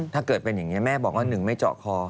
ถ้าเกิดเป็นอย่างนี้แม่บอกว่าหนึ่งไม่เจาะคอ